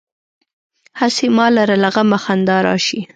هسې ما لره له غمه خندا راشي.